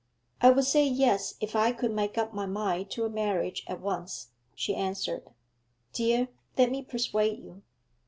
'I would say yes if I could make up my mind to a marriage at once,' she answered. 'Dear, let me persuade you.'